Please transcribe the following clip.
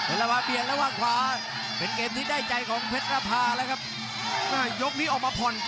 โอ้โหโอ้โหโอ้โหโอ้โห